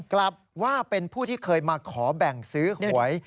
กลับว่าเป็นผู้ที่เคยมาขอแบ่งซื้อหวย